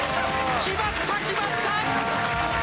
決まった、決まった！